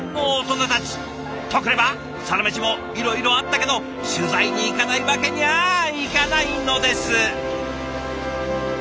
とくれば「サラメシ」もいろいろあったけど取材に行かないわけにゃいかないのです。